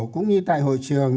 cũng như tại hội trường